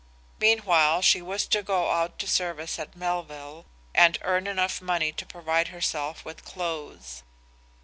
Meanwhile she was to go out to service at Melville and earn enough money to provide herself with clothes.